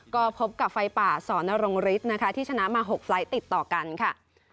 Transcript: ก็พบกับไฟป่าศนรรงฤษที่ชนะมา๖ไฟล์ต์ติดต่อกันค่ะ